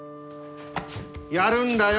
やるんだよ